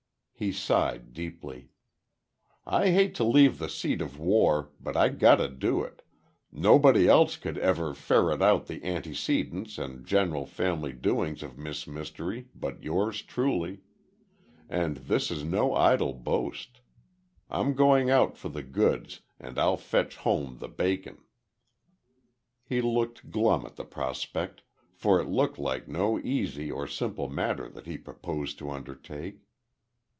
He sighed deeply. "I hate to leave the seat of war, but I gotta do it. Nobody else could ever ferret out the antecedents and general family doings of Miss Mystery but Yours Truly. And this is no idle boast. I'm going out for the goods and I'll fetch home the bacon." He looked glum at the prospect, for it looked like no easy or simple matter that he proposed to undertake.